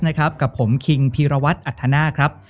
นะครับกับผมคิงพีรวัตน์อัธนาครับ